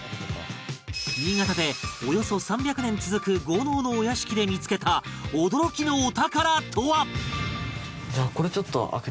新潟でおよそ３００年続く豪農のお屋敷で見つけた驚きのお宝とは！？